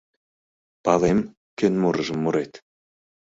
— Палем, кӧн мурыжым мурет.